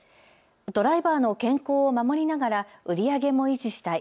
ドライバーの健康を守りながら売り上げも維持したい。